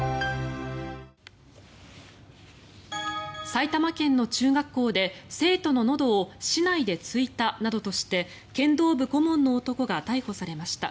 埼玉県の中学校で生徒ののどを竹刀で突いたなどとして剣道部顧問の男が逮捕されました。